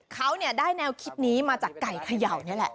เขาน่ะได้แนวคลิปนี้มาจากไก่ขย่าวนี้แหละ